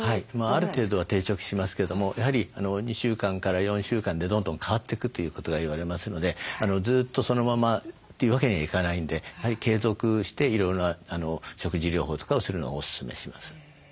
ある程度は定着しますけどもやはり２週間から４週間でどんどん変わっていくということが言われますのでずっとそのままというわけにはいかないんでやはり継続していろいろな食事療法とかをするのをおすすめします。